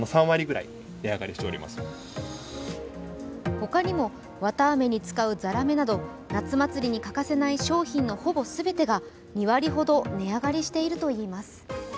他にも綿あめに使うざらめなど夏祭に欠かせない商品のほぼ全てが２割ほど値上がりしているといいます。